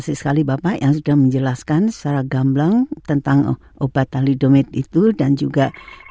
setback juga kan sebetulnya